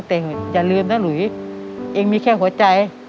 แต่อย่าลืมนะหลุยเองมีแค่หัวใจ